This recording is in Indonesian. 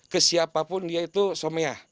ke siapapun dia itu someah